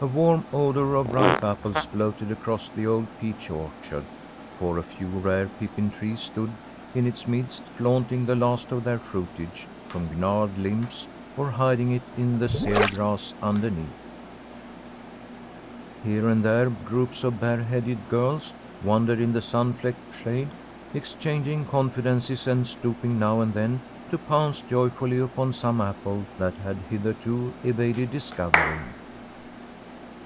A warm odour of ripe apples floated across the old peach orchard, for a few rare pippin trees stood in its midst, flaunting the last of their fruitage from gnarled limbs, or hiding it in the sear grass underneath. Here and there groups of bareheaded girls wandered in the sun flecked shade, exchanging confidences and stooping now and then to pounce joyfully upon some apple that had hitherto evaded discovery.